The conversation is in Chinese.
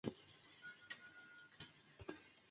而哺乳类中已知具有真社会性的动物只有滨鼠科。